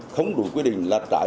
không đủ quy định